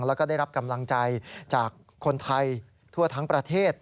แล้วก็ได้รับกำลังใจจากคนไทยทั่วทั้งประเทศ